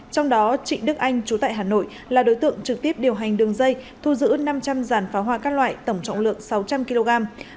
trong đó trị đức anh chú tại hà nội là đối tượng trực tiếp điều hành đường dây thu giữ năm trăm linh dàn pháo hoa các loại tổng trọng lượng sáu trăm linh kg